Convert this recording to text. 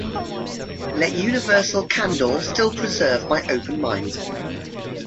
Let universal candor still preserve my open mind.